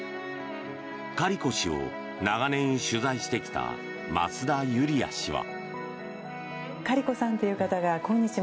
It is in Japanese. カリコ氏を長年取材してきた増田ユリヤ氏は。